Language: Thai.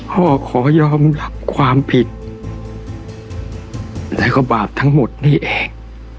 ขอยอมรับความผิดแล้วก็บาปทั้งหมดนี่เอง